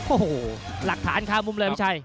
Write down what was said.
โอ้โหหลักฐานคามุมเลยพี่ชัย